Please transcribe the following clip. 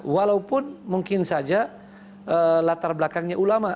walaupun mungkin saja latar belakangnya ulama